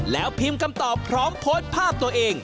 แล้วพิมพ์คำตอบพร้อมโพสต์ภาพตัวเอง